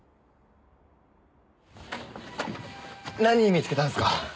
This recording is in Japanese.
何見つけたんすか？